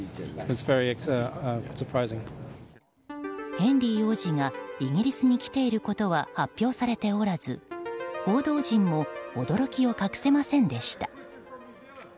ヘンリー王子がイギリスに来ていることは発表されておらず報道陣も驚きを隠せませんでした。